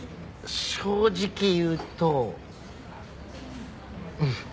正直言うとうん。